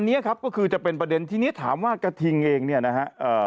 อันนี้ครับก็คือจะเป็นประเด็นที่นี้ถามว่ากระทิงเองเนี่ยนะฮะเอ่อ